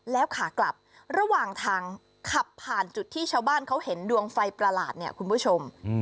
แล้วขากลับระหว่างทางขับผ่านจุดที่ชาวบ้านเขาเห็นดวงไฟประหลาดเนี่ยคุณผู้ชม